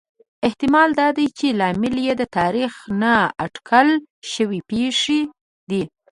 احتمال دا دی چې لامل یې د تاریخ نا اټکل شوې پېښې دي